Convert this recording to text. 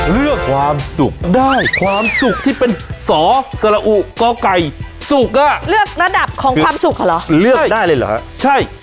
เลือกความสุขได้ความสุขที่เป็นสอสระอุก่อไก่สุกอ่ะเลือกระดับของความสุขเหรอเลือกได้เลยเหรอฮะใช่